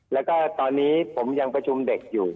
แล้วก็ตอนนี้ผมยังประชุมเด็กอยู่